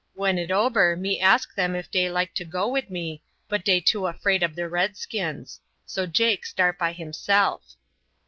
When it ober me ask dem if dey like to go wid me, but dey too afraid ob de redskins; so Jake start by himse'f.